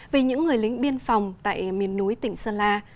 về những người lính biên phòng tại miền núi tỉnh sơn la